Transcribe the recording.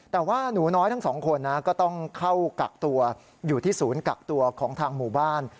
แต่ว่าหนูน้อยทั้งสองคนนะก็ต้องเข้ากักตัวอยู่ที่ศูนย์กักตัวของทางหมู่บ้าน